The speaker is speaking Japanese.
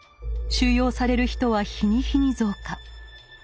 収容される人は日に日に増加。